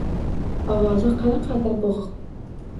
Ovozi qanaqadir boʻgʻiq